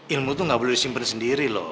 ilmu itu gak boleh disimpan sendiri loh